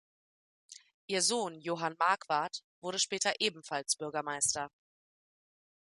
Ihr Sohn Johann Marquard wurde später ebenfalls Bürgermeister.